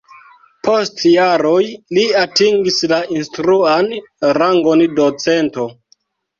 Post jaroj li atingis la instruan rangon docento.